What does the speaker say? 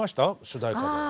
主題歌で。